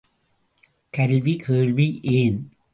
கல்வி, கேள்வி ஏன்?